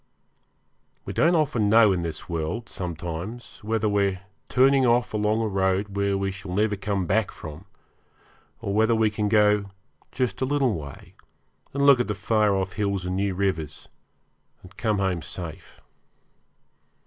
We don't often know in this world sometimes whether we are turning off along a road where we shall never come back from, or whether we can go just a little way and look at the far off hills and new rivers, and come home safe.